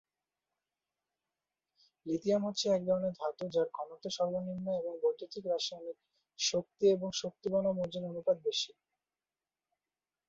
Lithium হচ্ছে এক ধরণের ধাতু যার ঘনত্ব সর্বনিম্ন এবং বৈদ্যুতিক-রাসায়নিক শক্তি এবং শক্তি বনাম ওজন অনুপাত বেশি।